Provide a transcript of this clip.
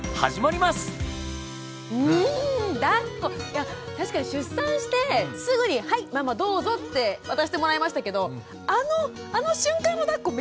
いや確かに出産してすぐに「はいママどうぞ」って渡してもらいましたけどあのあの瞬間のだっこ